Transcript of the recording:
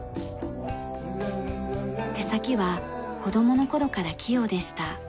手先は子供の頃から器用でした。